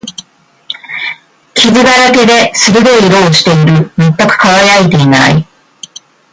傷だらけで、鈍い色をしている。全く輝いていない。